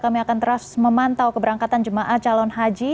kami akan terus memantau keberangkatan jemaah calon haji